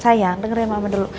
sayang dengerin mama dulu